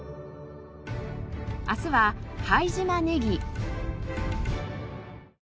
明日は拝島ネギ。